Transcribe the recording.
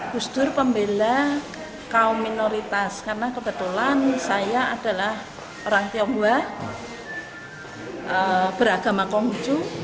gus dur pembela kaum minoritas karena kebetulan saya adalah orang tionghoa beragama konghucu